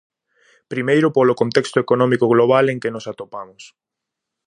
Primeiro, polo contexto económico global en que nos atopamos.